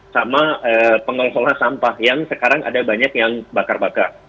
sama pengelola sampah yang sekarang ada banyak yang bakar bakar